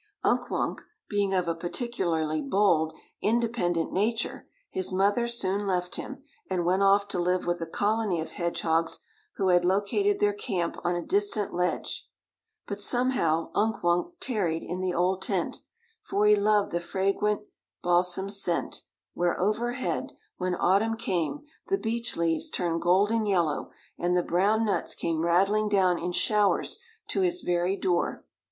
Unk Wunk being of a particularly bold, independent nature, his mother soon left him, and went off to live with a colony of hedgehogs who had located their camp on a distant ledge. But somehow Unk Wunk tarried in the old tent, for he loved the fragrant balsam scent, where overhead, when autumn came, the beech leaves turned golden yellow, and the brown nuts came rattling down in showers to his very door.